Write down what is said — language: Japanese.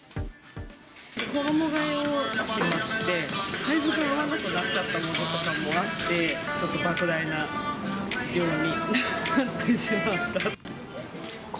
衣がえをしまして、サイズが合わなくなっちゃったものとかもあって、ちょっとばく大な量になってしまった。